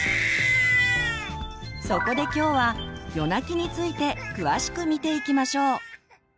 そこで今日は夜泣きについて詳しく見ていきましょう。